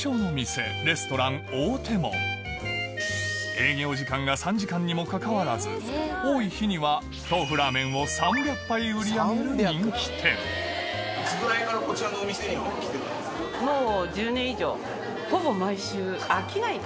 ・営業時間が３時間にもかかわらず多い日には豆腐ラーメンを３００杯売り上げる人気店もう。